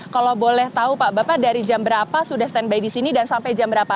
kalau boleh tahu pak bapak dari jam berapa sudah standby di sini dan sampai jam berapa